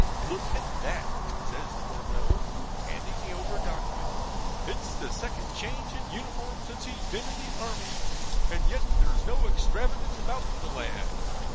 'Look at that!' says the poor fellow, handing me over a document. 'It's the second change in uniform since he's been in the army, and yet there's no extravagance about the lad.